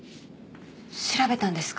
調べたんですか？